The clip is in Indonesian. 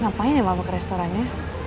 gampangin ya bapak ke restorannya